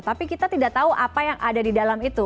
tapi kita tidak tahu apa yang ada di dalam itu